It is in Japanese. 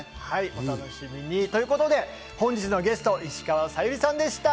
お楽しみに。ということで、本日のゲスト・石川さゆりさんでした。